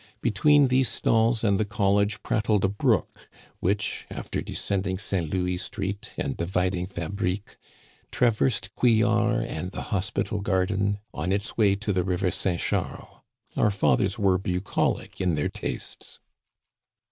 Between these stalls and the college prattled a brook, which, after descending St. Louis Street and dividing Fabrique, traversed Couillard and the hospital garden, on its way to the river St Charles. Our fathers were bucolic in their tastes